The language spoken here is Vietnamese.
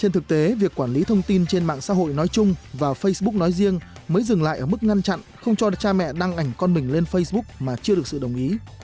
trên thực tế việc quản lý thông tin trên mạng xã hội nói chung và facebook nói riêng mới dừng lại ở mức ngăn chặn không cho được cha mẹ đăng ảnh con mình lên facebook mà chưa được sự đồng ý